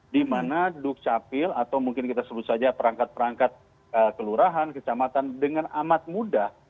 di mana dukcapil atau mungkin kita sebut saja perangkat perangkat kelurahan kecamatan dengan amat mudah